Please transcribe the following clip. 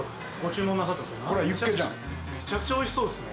めちゃくちゃおいしそうですね。